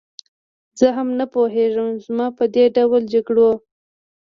زه هم نه پوهېږم، زما په دې ډول جګړو.